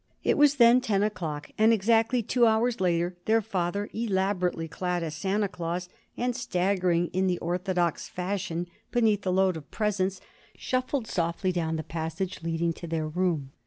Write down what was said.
It was then ten o'clock; and exactly two hours later their father, elaborately clad as Santa Claus, and staggering, in the orthodox fashion, beneath a load of presents, shuffled softly down the passage leading to their room.